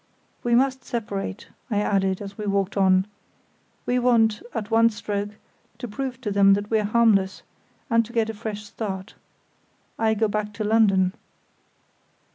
"We must separate," I added, as we walked on. "We want, at one stroke, to prove to them that we're harmless, and to get a fresh start. I go back to London."